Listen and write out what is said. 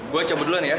gue cabut duluan ya